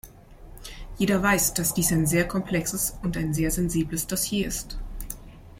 Jeder weiß, dass dies ein sehr komplexes und ein sehr sensibles Dossier ist.